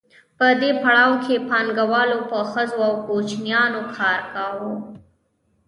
په دې پړاو کې پانګوالو په ښځو او کوچنیانو کار کاوه